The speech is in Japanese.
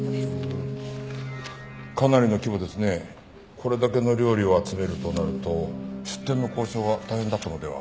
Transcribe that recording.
これだけの料理を集めるとなると出店の交渉は大変だったのでは？